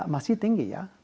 masih tinggi ya